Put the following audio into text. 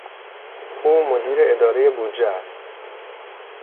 او مدیر ادارهی بودجه است.